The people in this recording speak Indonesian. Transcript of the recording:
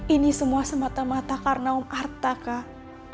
ini semua semata mata karena om arta kak